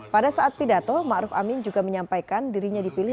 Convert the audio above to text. pada saat pidato maruf amin juga menyampaikan dirinya dipilih